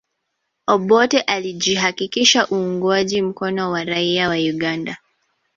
Obote alijihakikishia uungwaji mkono wa raia wa Uganda